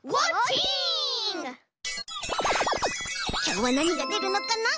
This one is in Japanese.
きょうはなにがでるのかな？